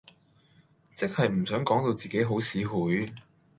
即係唔想講到自己好市儈